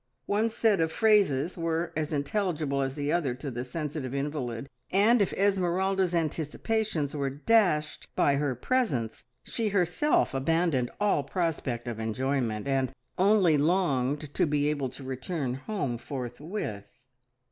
One set of phrases were as intelligible as the other to the sensitive invalid, and if Esmeralda's anticipations were dashed by her presence, she herself abandoned all prospect of enjoyment, and only longed to be able to return home forthwith.